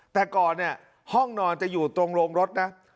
แต่ก่อนเนี่ยห้องนอนจะอยู่ตรงโรงรถนะ